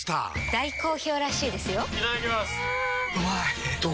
大好評らしいですよんうまい！